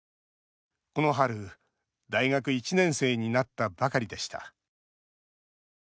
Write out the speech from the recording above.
この春、大学１年生になったばかりでした。